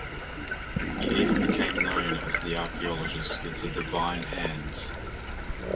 He even became known as the archaeologist with the "divine hands".